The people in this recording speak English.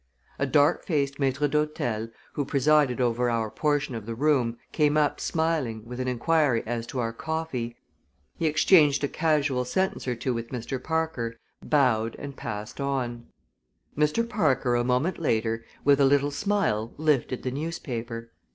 A dark faced maître d'hôtel, who presided over our portion of the room, came up smiling, with an inquiry as to our coffee. He exchanged a casual sentence or two with Mr. Parker, bowed and passed on. Mr. Parker, a moment later, with a little smile lifted the newspaper.